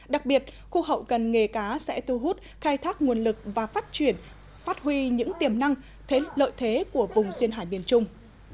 đặc biệt khu hậu cần nghề cá sẽ tu hút khai thác nguồn lực và phát triển phát huy những tiềm năng lợi thế của vùng duyên hải miền trung